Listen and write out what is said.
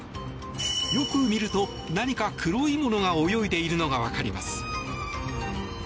よく見ると何か黒いものが泳いでいるのがわかります。